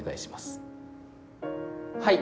はい。